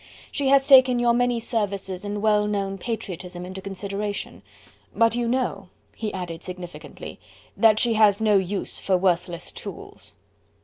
She has taken your many services and well known patriotism into consideration. But you know," he added significantly, "that she has no use for worthless tools."